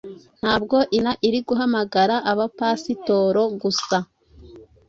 Ntabwo Imana iri guhamagara abapasitoro gusa,